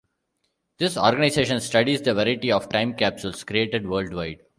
This organization studies the variety of time capsules created worldwide.